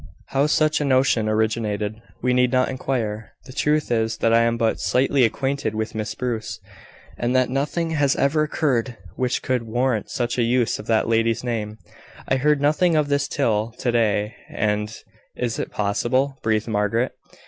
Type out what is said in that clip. How such a notion originated, we need not inquire. The truth is, that I am but slightly acquainted with Miss Bruce, and that nothing has ever occurred which could warrant such a use of that lady's name. I heard nothing of this till to day, and " "Is it possible?" breathed Margaret.